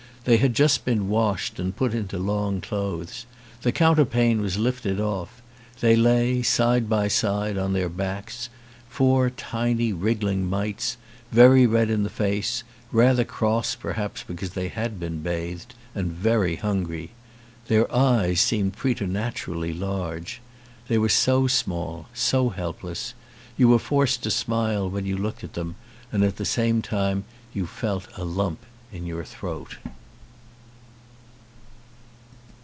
They had just been washed and put into long clothes. The coun terpane was lifted off. They lay side by side, on their backs, four tiny wriggling mites, very red in the face, rather cross perhaps because they had been bathed, and very hungry. Their eyes seemed preternaturally large. They were so small, so helpless : you were forced to smile when you looked at them and at the same time you felt a lump ki your throat.